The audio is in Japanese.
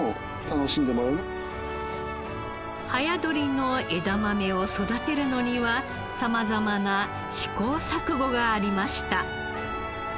早採りの枝豆を育てるのには様々な試行錯誤がありました。